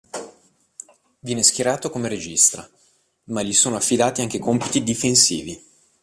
Viene schierato come regista, ma gli sono affidati anche compiti difensivi.